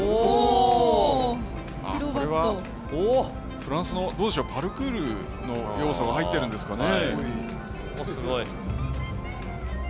フランスのパルクールの要素が入っているんですかね。